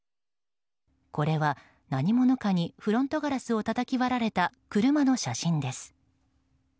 これは何者かにフロントガラスをたたき割られた車の写真です。